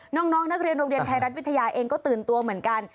น้องนักเรียนโรงเรียนไทยรัฐวิทยาเองก็ตื่นตัวเหมือนกัน